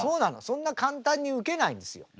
そんな簡単にウケないんですよ。